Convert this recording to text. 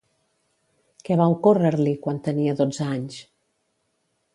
Què va ocórrer-li quan tenia dotze anys?